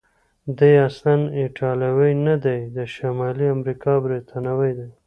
دی اصلا ایټالوی نه دی، د شمالي امریکا برتانوی دی.